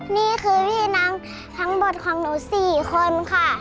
นี่คือพี่น้องทั้งหมดของหนู๔คนค่ะ